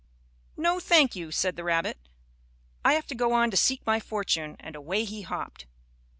"No, thank you," said the rabbit. "I have to go on to seek my fortune," and away he hopped.